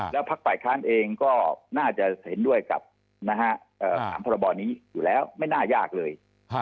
แล้วพักฝ่ายค้านเองก็น่าจะเห็นด้วยกับถามพรบนี้อยู่แล้วไม่น่ายากเลย